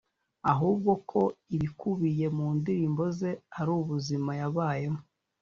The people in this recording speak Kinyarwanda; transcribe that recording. ahubwo ko ibikubiye mu ndirimbo ze ari ubuzima yabayemo